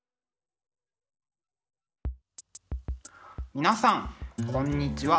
皆さんこんにちは。